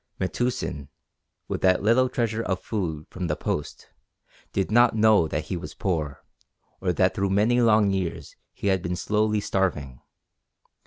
Metoosin, with that little treasure of food from the Post, did not know that he was poor, or that through many long years he had been slowly starving.